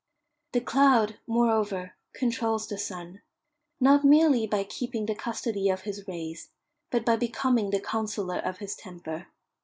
The cloud, moreover, controls the sun, not merely by keeping the custody of his rays, but by becoming the counsellor of his temper.